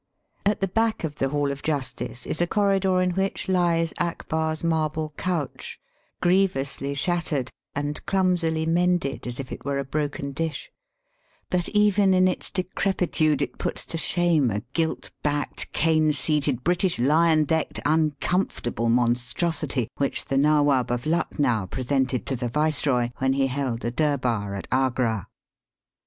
At the back of the Hall of Justice is a corridor in which lies Akbar's marble couch, grievously shattered and clumsily mended as if it were a broken dish. But even in its decrepitude it puts to shame a gilt backed. Digitized by VjOOQIC THE CAPITAL OF THE GREAT MOGUL. 273 cane seated, British lion decked, uncomfortable monstrosity which the Nawab of Lncknow presented to the Viceroy when he held a Durbar at Agra.